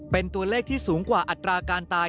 เป็นตัวเลขที่สูงกว่าอัตราการตาย